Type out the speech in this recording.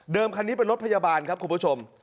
คันนี้เป็นรถพยาบาลครับคุณผู้ชม